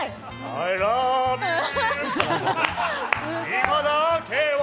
「今だけは」